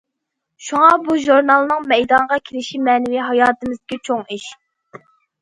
شۇڭا بۇ ژۇرنالنىڭ مەيدانغا كېلىشى مەنىۋى ھاياتىمىزدىكى چوڭ ئىش.